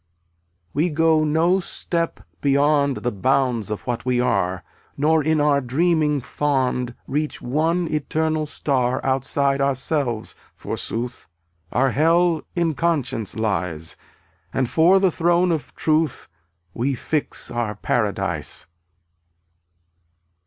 266 We go no step beyond The bounds of what we are, Nor in our dreaming fond Reach one eternal star Outside ourselves, forsooth; Our hell in conscience lies, And Yore the throne of Truth We fix our paradise.